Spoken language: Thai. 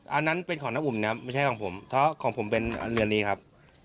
อันนั้นเป็นของน้าอุ่มนะไม่ใช่ของผมเพราะของผมเป็นเรือนนี้ครับ